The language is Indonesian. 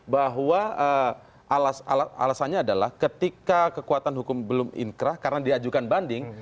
bahwa alasannya adalah ketika kekuatan hukum belum inkrah karena diajukan banding